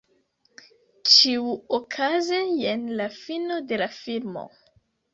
Ĉiuokaze jen la fino de la filmo.